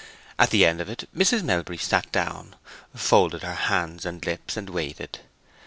At the end of it Mrs. Melbury sat down, folded her hands and lips, and waited.